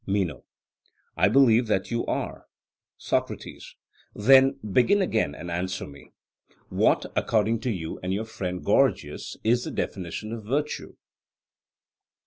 MENO: I believe that you are. SOCRATES: Then begin again, and answer me, What, according to you and your friend Gorgias, is the definition of virtue?